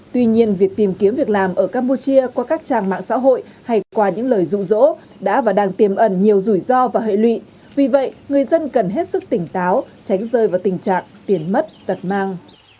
tuy nhiên việc tìm kiếm việc làm ở campuchia qua các trang mạng xã hội hay qua những lời rụ rỗ đã và đang tiềm ẩn nhiều rủi ro và hệ lụy vì vậy người dân cần hết sức tỉnh táo tránh rơi vào tình trạng tiền mất tật mang